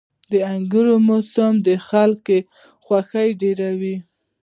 • د انګورو موسم د خلکو خوښي ډېروي.